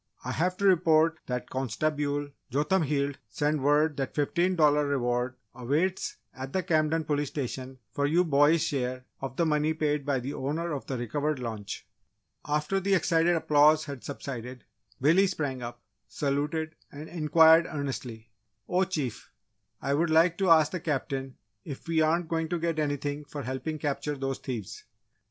I have to report that Consta_bule_ Jotham Heald sent word that $15 reward awaits at the Camden Police Station for you boys' share of the money paid by the owner of the recovered launch." After the excited applause had subsided, Billy sprang up, saluted, and inquired earnestly, "Oh Chief! I would like to ask the Captain if we aren't going to get anything for helping capture those thieves?"